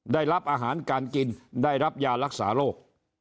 ได้รับอาหารการกินได้รับยารักษาโรค